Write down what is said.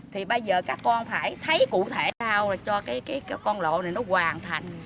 thì bây giờ các con phải thấy cụ thể sao cho cái con lộ này nó hoàn thành